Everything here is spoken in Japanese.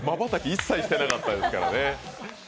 瞬き一切してなかったですからね。